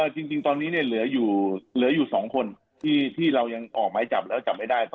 จริงตอนนี้เหลืออยู่๒คนที่เรายังออกไม้จับแล้วจับไม่ได้